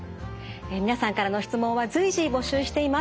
皆さんからの質問は随時募集しています。